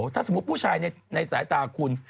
ถ้าสมมุติผู้ชายในสายตาคุณ